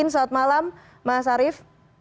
selamat malam mas arief